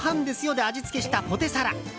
で味付けしたポテサラ。